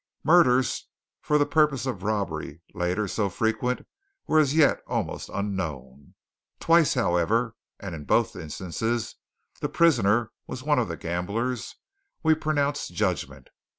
Murders for the purpose of robbery, later so frequent, were as yet almost unknown. Twice, however, and in both instances the prisoner was one of the gamblers, we pronounced judgment.